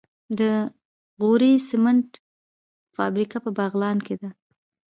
د غوري سمنټو فابریکه په بغلان کې ده.